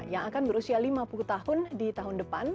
yang akan berusia lima puluh tahun di tahun depan